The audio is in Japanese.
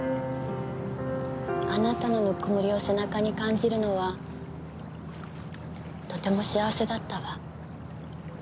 あなたの温もりを背中に感じるのはとても幸せだったわ。